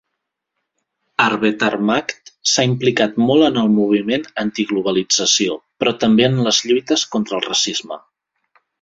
Arbetarmakt s'ha implicat molt en el moviment antiglobalització, però també en les lluites contra el racisme.